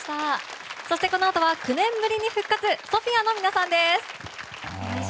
そして、このあとは９年ぶりに復活ＳＯＰＨＩＡの皆さんです。